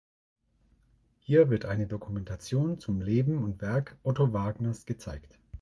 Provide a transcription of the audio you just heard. Hier wird eine Dokumentation zum Leben und Werk Otto Wagners gezeigt.